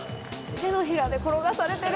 手のひらで転がされてる。